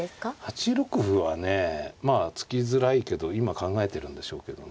８六歩はねまあ突きづらいけど今考えてるんでしょうけどね。